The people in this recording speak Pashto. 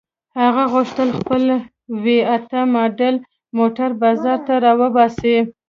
هغه غوښتل خپل وي اته ماډل موټر بازار ته را وباسي.